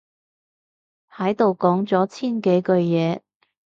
喺度講咗千幾句嘢